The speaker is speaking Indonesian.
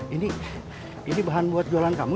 ini ini bahan buat jualan kamu ya